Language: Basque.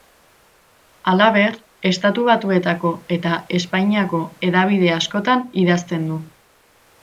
Halaber Estatu Batuetako eta Espainiako hedabide askotan idazten du.